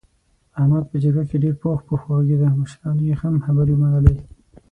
احمد په جرګه کې ډېر پوخ پوخ و غږېدا مشرانو یې هم خبرې ومنلې.